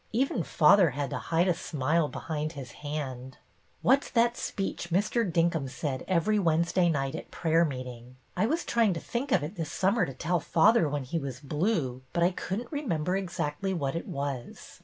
Even father had to hide a smile behind his hand." " What 's that speech Mr. Dinkum said every Wednesday night at prayer meeting.? I was trying to think of it this summer to tell father when he was blue, but I couldn't remember exactly what it was."